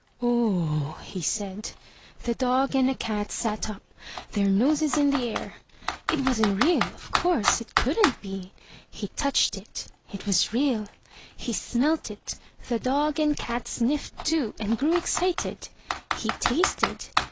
"Oh h h!'' he said. The dog and the cat sat up, their noses in the air. It wasn't real, of course. It couldn't be. He touched it. It was real. He smelt it. The dog and cat sniffed too and grew excited. He tasted.